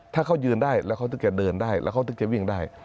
ถ้าเขายืนได้แล้วเขาจะเดินได้แล้วเขาถึงจะวิ่งได้